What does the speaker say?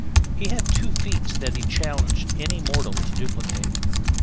He had two feats that he challenged any mortal to duplicate.